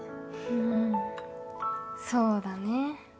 うんそうだね